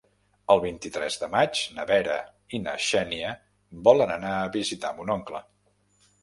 El vint-i-tres de maig na Vera i na Xènia volen anar a visitar mon oncle.